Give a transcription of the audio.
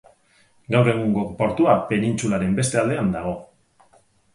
Gaur egungo portua penintsularen beste aldean dago.